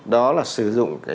đó là sử dụng